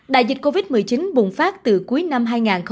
đại dịch covid một mươi chín bùng phát từ cuối năm hai nghìn một mươi chín